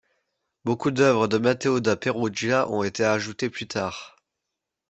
Beaucoup d'œuvres de Matteo da Perugia ont été ajoutées plus tard.